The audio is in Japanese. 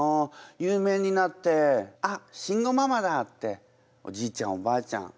有名になって「あっ慎吾ママだ！」っておじいちゃんおばあちゃん